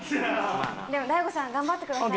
でも大悟さん頑張ってください。